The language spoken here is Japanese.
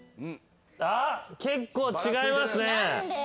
結構違いますね。